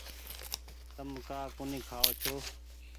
تم ڪآ ڪونيٚ کآئو ڇو۔